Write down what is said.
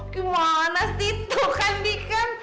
gimana sih tuh kan bi kan